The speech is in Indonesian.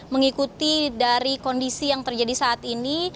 mengikuti dari kondisi yang terjadi saat ini